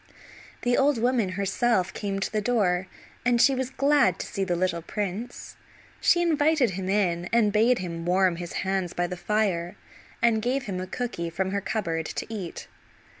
The old woman, herself, came to the door, and she was glad to see the little prince. She invited him in, and bade him warm his hands by the fire, and gave him a cooky from her cupboard to eat.